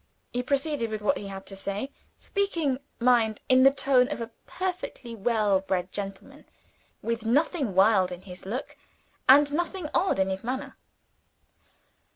He proceeded with what he had to say speaking, mind, in the tone of a perfectly well bred man; with nothing wild in his look, and nothing odd in his manner.